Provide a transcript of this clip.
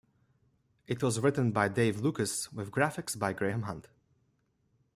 It was written by Dave Lucas with graphics by Graham Hunt.